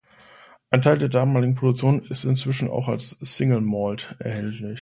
Ein Teil der damaligen Produktion ist inzwischen als Single Malt erhältlich.